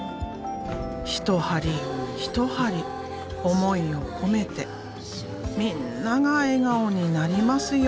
一針一針思いを込めてみんなが笑顔になりますように。